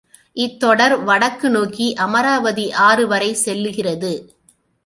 இத் தொடர் வடக்கு நோக்கி அமராவதி ஆறுவரை செல்லுகிறது.